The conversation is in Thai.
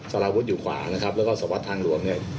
สารวุฒิอยู่ขวานะครับแล้วก็สวัสดิทางหลวงเนี่ย